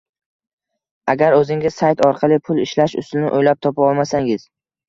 Agar o’zingiz sayt orqali pul ishlash usulini o’ylab topa olmasangiz